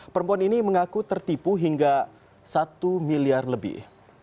perempuan ini mengaku tertipu hingga satu miliar lebih